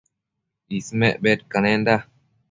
Ismec bedcadenda